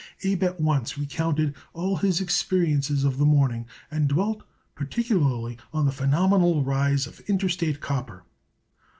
Abe at once recounted all his experiences of the morning and dwelt particularly on the phenomenal rise of Interstate Copper.